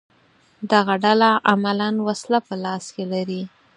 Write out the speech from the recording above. دغه ډله عملاً وسله په لاس کې لري